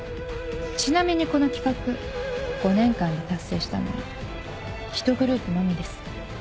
ちなみにこの企画５年間で達成したのは１グループのみです。